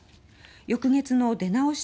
翌月の出直し